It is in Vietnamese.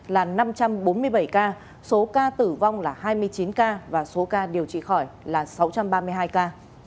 là năm trăm bốn mươi bảy ca số ca tử vong là hai mươi chín ca và số ca điều trị khỏi là sáu trăm ba mươi hai ca